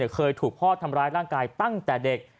เคยถูกพ่อทำร้ายร่างกายตั้งแต่เด็ก